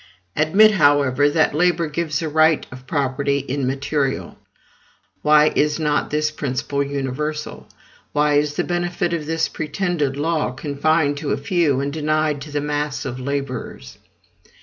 Admit, however, that labor gives a right of property in material. Why is not this principle universal? Why is the benefit of this pretended law confined to a few and denied to the mass of laborers?